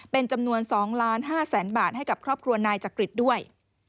เป็นจำนวน๒๕๐๐๐๐บาทให้กับครอบครัวนายจักริตด้วย